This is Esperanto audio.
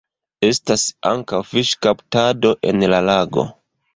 Estas ankaŭ fiŝkaptado en la lago.